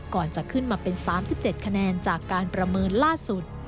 ก่อนจะขึ้นมาเป็น๓๗คะแนนจากการประเมินล่าสุด